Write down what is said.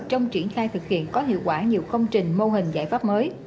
trong triển khai thực hiện có hiệu quả nhiều công trình mô hình giải pháp mới